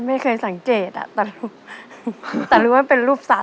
ตัวเลือดที่๓ม้าลายกับนกแก้วมาคอ